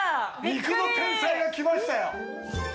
肉の天才が来ましたよ。